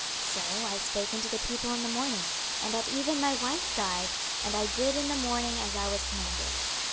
26:024:018 So I spake unto the people in the morning: and at even my wife died; and I did in the morning as I was commanded.